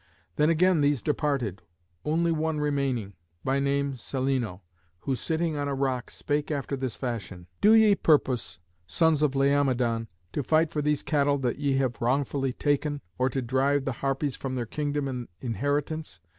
Then again these departed, one only remaining, by name Celæno, who, sitting on a rock, spake after this fashion: "Do ye purpose, sons of Laomedon, to fight for these cattle that ye have wrongfully taken, or to drive the Harpies from their kingdom and inheritance?